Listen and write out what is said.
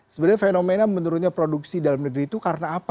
sebenarnya fenomena menurunnya produksi dalam negeri itu karena apa